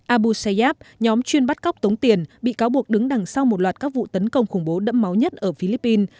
abusayab nhóm chuyên bắt cóc tống tiền bị cáo buộc đứng đằng sau một loạt các vụ tấn công khủng bố đẫm máu nhất ở philippines